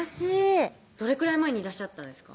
どれくらい前にいらっしゃったんですか？